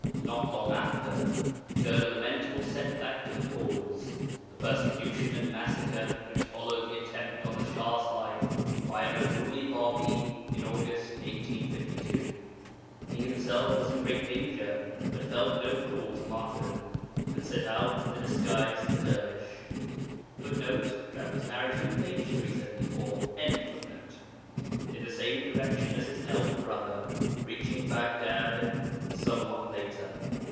Not long after occurred a lamentable set back to the cause the persecution and massacre which followed the attempt on the Shah's life by an unruly Bābī in August 1852. He himself was in great danger, but felt no call to martyrdom, and set out in the disguise of a dervish [Footnote: TN, p. 374.] in the same direction as his elder brother, reaching Baghdad somewhat later.